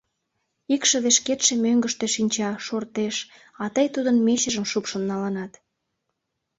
— Икшыве шкетше мӧҥгыштӧ шинча, шортеш, а тый тудын мечыжым шупшын налынат...